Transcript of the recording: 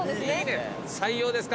採用ですか？